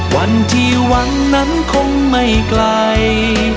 วันที่หวังนั้นคงไม่ไกล